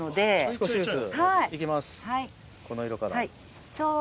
少しずつ。